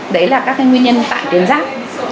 đấy là các cái nguyên nhân tại tuyến giáp